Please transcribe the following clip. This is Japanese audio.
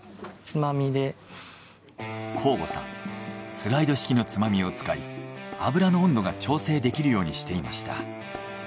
スライド式のつまみを使い油の温度が調整できるようにしていました。